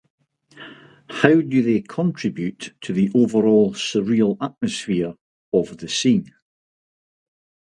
How do they contribute to the overall surreal atmosphere of the scene?